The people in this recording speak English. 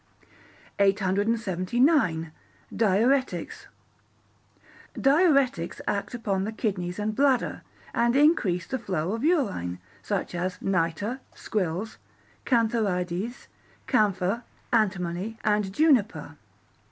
879. Diuretics Diuretics act upon the kidneys and bladder, and increase the flow of urine, such as nitre, squills, cantharides, camphor, antimony, and juniper.